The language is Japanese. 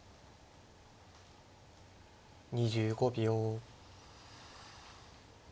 ２５秒。